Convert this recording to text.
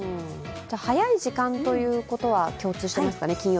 早い時間ということは共通していますかね。